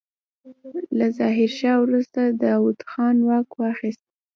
له ظاهرشاه وروسته داوود خان واک واخيست.